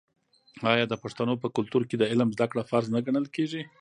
آیا د پښتنو په کلتور کې د علم زده کړه فرض نه ګڼل کیږي؟